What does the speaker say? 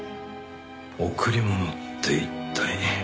贈り物って一体。